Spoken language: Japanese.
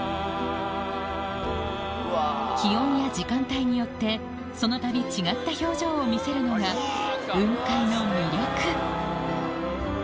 気温や時間帯によってそのたび違った表情を見せるのが雲海の魅力